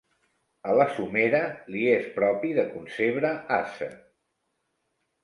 A la somera li és propi de concebre ase.